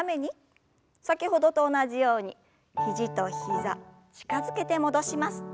先ほどと同じように肘と膝近づけて戻します。